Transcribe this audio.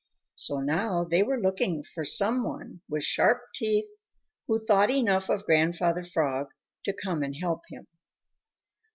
So now they were looking for some one with sharp teeth, who thought enough of Grandfather Frog to come and help him.